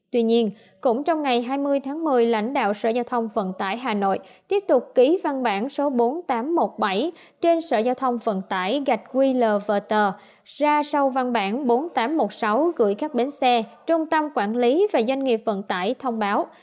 tuy nhiên cũng trong ngày hai mươi tháng một mươi lãnh đạo sở giao thông vận tải hà nội tiếp tục ký văn bản số bốn nghìn tám trăm một mươi bảy trên sở giao thông vận tải gạch qlverter ra sau văn bản bốn nghìn tám trăm một mươi sáu gửi các bến xe trung tâm quản lý và doanh nghiệp vận tải thông báo